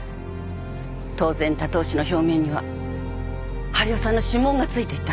当然たとう紙の表面には治代さんの指紋が付いていた。